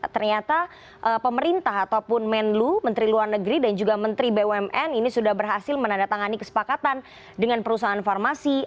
ternyata pemerintah ataupun menlu menteri luar negeri dan juga menteri bumn ini sudah berhasil menandatangani kesepakatan dengan perusahaan farmasi